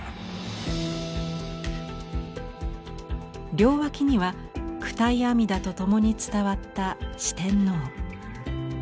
両脇には九体阿弥陀とともに伝わった四天王。